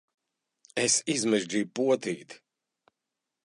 Es izmežģīju potīti!